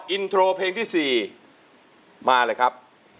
อินโทรเพลงที่๔มาเลยครับ